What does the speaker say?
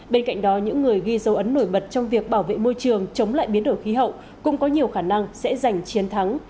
bên cạnh đó những người ghi dấu ấn nổi bật trong việc bảo vệ môi trường chống lại biến đổi khí hậu cũng có nhiều khả năng sẽ giành chiến thắng